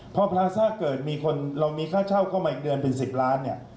เพราะถ้าเกิดมีคนเรามีค่าเช่าเข้ามาอีกเดือนเป็น๑๐ล้านเนี่ย